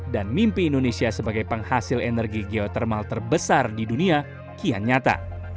dan mimpi indonesia sebagai penghasil energi geotermal terbesar di dunia kian nyata